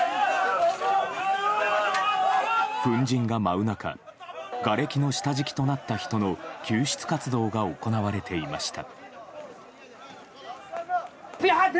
粉じんが舞う中がれきの下敷きとなった人の救出活動が行われていました。